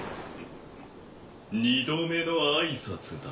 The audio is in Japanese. ２度目の挨拶だ。